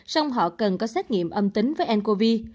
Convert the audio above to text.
xong họ cần có xét nghiệm âm tính với ncov